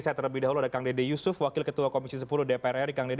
saya terlebih dahulu ada kang dede yusuf wakil ketua komisi sepuluh dpr ri kang dede